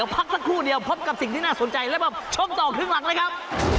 พักสักครู่เดียวพบกับสิ่งที่น่าสนใจแล้วมาชมต่อครึ่งหลังเลยครับ